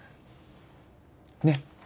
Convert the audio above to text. ねっ？